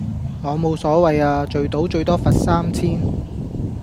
我冇所謂呀，聚賭最多罰三千